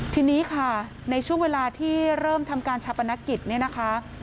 ทีนี้ค่ะในช่วงเวลาที่เริ่มทำการชาปนกิจเนี่ยนะคะ